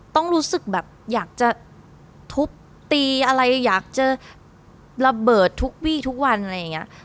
ต้องรู้สึกแบบอยากจะทุบตีอะไรอยากจะระเบิดทุกวี่ทุกวันอะไรอย่างนี้